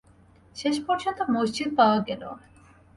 শেষ পর্যন্ত মসজিদ পাওয়া গেল।